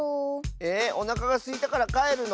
えおなかがすいたからかえるの？